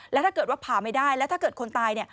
แล้วถ้าเกิดว่าผ่าไม่ได้แล้วถ้าเกิดคนตาย